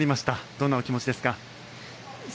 どんなお気持ちですか？